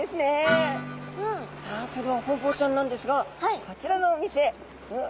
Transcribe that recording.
さあそれではホウボウちゃんなんですがこちらのお店うわ